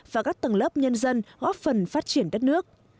và các tầng lớp nhân dân góp phần phát triển đất nước